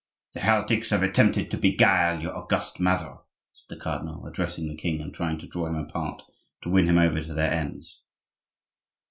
"The heretics have attempted to beguile your august mother," said the cardinal, addressing the king, and trying to draw him apart to win him over to their ends.